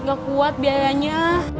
gak kuat biayanya